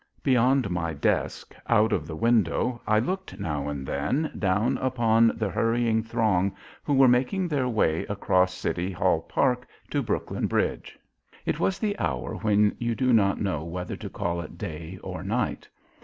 Beyond my desk out of the window I looked now and then down upon the hurrying throng who were making their way across City Hall Park to Brooklyn Bridge. It was the hour when you do not know whether to call it day or night.